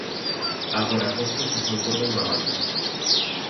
Agora Costas xa son toda unha banda.